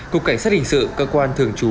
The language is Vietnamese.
cục cảnh sát hình sự cơ quan thường trú